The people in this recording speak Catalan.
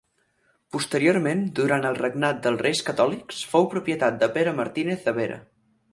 Posteriorment, durant el regnat dels reis Catòlics, fou propietat de Pere Martínez de Vera.